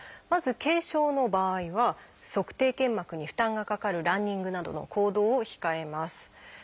まず軽症の場合は足底腱膜に負担がかかるランニングなどの行動を控えます。